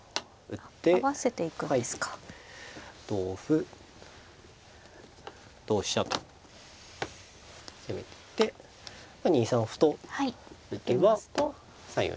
同歩同飛車と攻めてって２三歩と打てば３四飛車と。